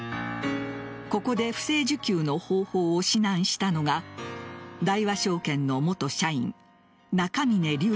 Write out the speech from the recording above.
ここで不正受給の方法を指南したのが大和証券の元社員中峯竜晟